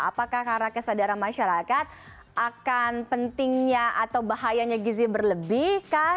apakah karena kesadaran masyarakat akan pentingnya atau bahayanya gizi berlebih kah